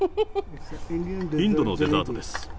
インドのデザートです。